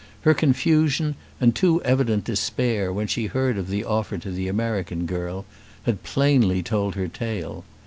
Her confusion, and too evident despair when she heard of the offer to the American girl, had plainly told her tale.